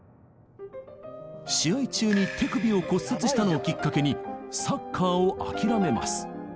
試合中に手首を骨折したのをきっかけにサッカーを諦めます。